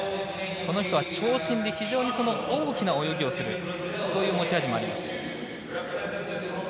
この人は長身で大きな泳ぎをするというそういう持ち味もあります。